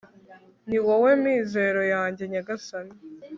ni wowe mizero yanjye, nyagasani